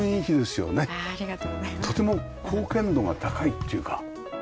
とても貢献度が高いっていうか。